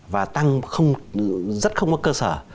và tăng rất không có cơ sở